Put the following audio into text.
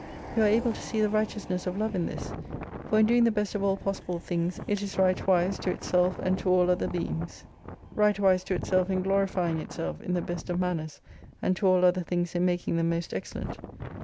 You are able to see the righteousness of Love in this. For in doing the best of all possible things it is right wise to itself and to all other beings. Right wise to itself in glorifying itself in the best of manners, and to all other things in making them most excellent.